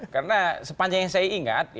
karena sepanjang yang saya ingat